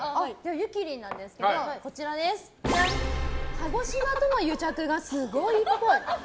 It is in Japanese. ゆきりんなんですけど鹿児島とのユチャクがすごいっぽい。